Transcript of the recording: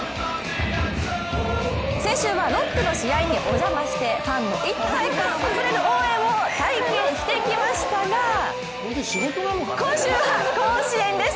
先週はロッテの試合にお邪魔してファンの一体感あふれる応援を体験してきましたが、今週は甲子園です。